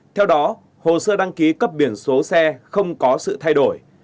theo đó hồ sơ đăng ký cấp biển số xe không có sự thay đổi